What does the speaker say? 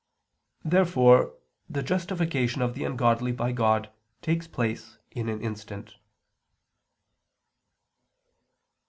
Therefore the justification of the ungodly by God takes place in an instant.